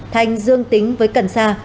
thành dương tính với cần xa